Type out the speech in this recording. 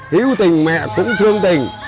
hiếu tình mẹ cũng thương tình